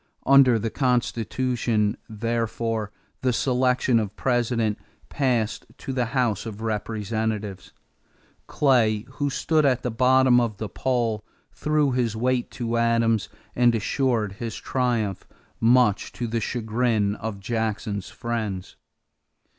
Under the Constitution, therefore, the selection of President passed to the House of Representatives. Clay, who stood at the bottom of the poll, threw his weight to Adams and assured his triumph, much to the chagrin of Jackson's friends.